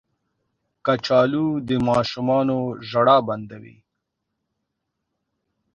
کچالو د ماشومانو ژړا بندوي